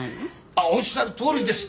おっしゃるとおりです。